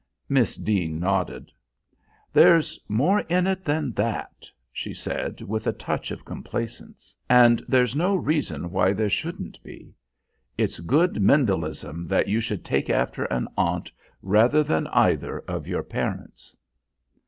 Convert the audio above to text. Miss Deane nodded. "There's more in it than that," she said with a touch of complacence; "and there's no reason why there shouldn't be. It's good Mendelism that you should take after an aunt rather than either of your parents."